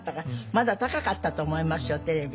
まだ高かったと思いますよテレビ。